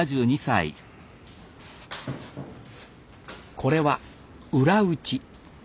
これは裏打ち。